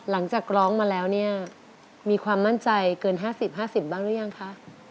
หลังจากร้องมาแล้วเนี่ยมีความมั่นใจเกิน๕๐๕๐บ้างหรือยังคะ